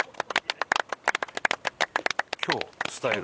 今日伝える？